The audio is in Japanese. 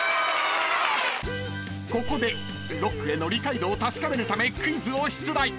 ［ここでロックへの理解度を確かめるためクイズを出題］